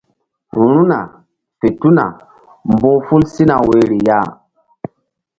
Ru̧hna fe tuna mbu̧h ful sina woyri ya.